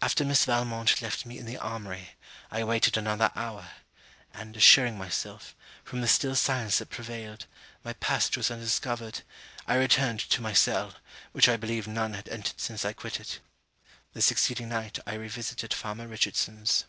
After Miss Valmont left me in the armoury, I waited another hour; and assuring myself, from the still silence that prevailed, my passage was undiscovered, I returned to my cell, which I believe none had entered since I quitted. The succeeding night I revisited farmer Richardson's.